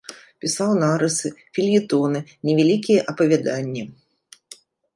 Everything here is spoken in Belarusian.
Пісаў нарысы, фельетоны, невялікія апавяданні.